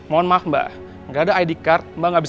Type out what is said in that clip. gak ada kartu ini